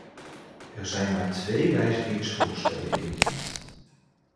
Er zijn maar twee wijzigingsvoorstellen ingediend.